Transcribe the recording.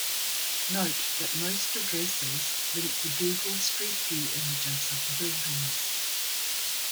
Note that most addresses link to Google Street View images of the buildings.